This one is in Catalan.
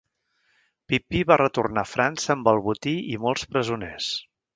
Pipí va retornar a França amb el botí i molts presoners.